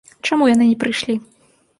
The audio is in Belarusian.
Чаму яны не прыйшлі?